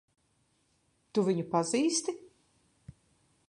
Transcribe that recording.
Tu viņu pazīsti?